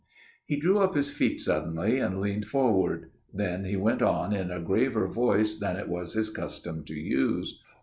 He drew up his feet suddenly, and leaned forward. Then he went on in a graver voice than it was his custom to use.